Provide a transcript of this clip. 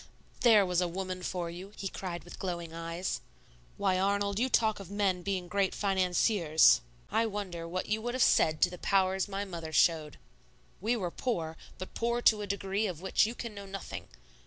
"There was a woman for you!" he cried with glowing eyes. "Why, Arnold, you talk of men being great financiers; I wonder what you would have said to the powers my mother showed. We were poor, but poor to a degree of which you can know nothing.